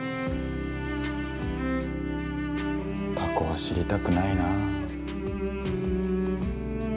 過去は知りたくないなあ。